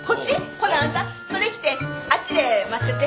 ほなあんたそれ着てあっちで待ってて。